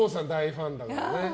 ファンだから。